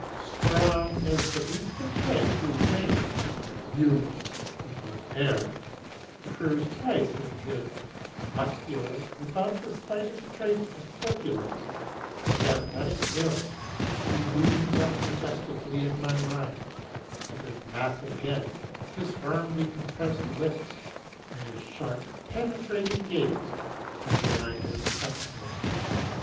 Strong as the beast of prey whose name [Björn=Bear] occurs twice in his; muscular, without the slightest trace of corpulence, of athletic build, he looms up majestically in my mind, with his massive head, his firmly compressed lips, and his sharp, penetrating gaze from behind his spectacles.